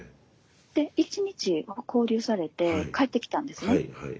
で１日勾留されて帰ってきたんですね。